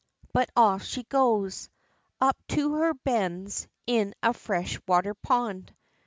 but off she goes, Up to her bends in a fresh water pond!